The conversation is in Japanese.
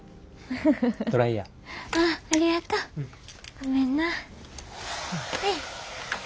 ごめんな。